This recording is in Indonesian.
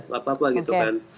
nggak apa apa gitu kan